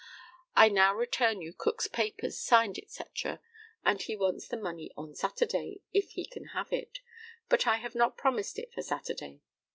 I now return you Cook's papers signed &c., and he wants the money on Saturday, if he can have it; but I have not promised it for Saturday.